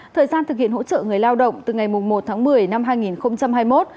thời gian thực hiện hỗ trợ người lao động từ ngày một tháng một mươi năm hai nghìn hai mươi một